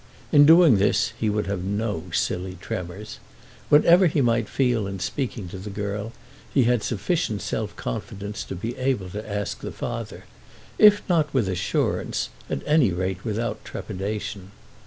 In doing this he would have no silly tremors. Whatever he might feel in speaking to the girl, he had sufficient self confidence to be able to ask the father, if not with assurance, at any rate without trepidation.